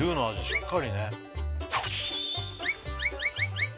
しっかりね